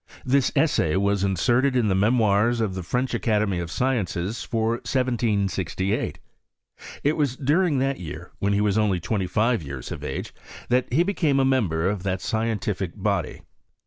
This essay was inserted in the Memoirs of the French Academy of Sciences, for 1768. It was during that year, when be was only twenty five yeara of age that he became a member of that scientific body.